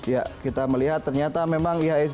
ya kita melihat ternyata memang ihsg